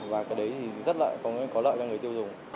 và cái đấy thì rất là có lợi cho người tiêu dùng